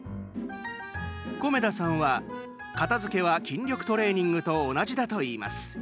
米田さんは、片づけは筋力トレーニングと同じだといいます。